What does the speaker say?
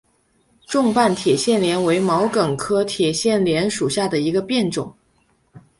重瓣铁线莲为毛茛科铁线莲属下的一个变种。